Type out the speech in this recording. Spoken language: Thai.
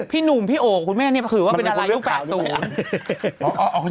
พี่หนุ่มพี่โอคุณแม่นี่ถือว่าเป็นดารายุค๘๐